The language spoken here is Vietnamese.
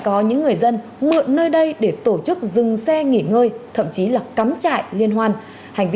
có những người dân mượn nơi đây để tổ chức dừng xe nghỉ ngơi thậm chí là cắm trại liên hoan hành vi